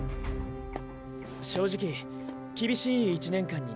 正直厳しい１年間になる。